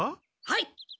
はい！